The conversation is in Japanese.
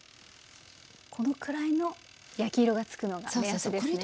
このくらいの焼き色が付くのが目安ですね。